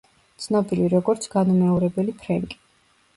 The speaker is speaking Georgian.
ცნობილი როგორც „განუმეორებელი ფრენკი“.